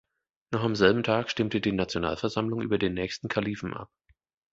Noch am selben Tag stimmte die Nationalversammlung über den nächsten Kalifen ab.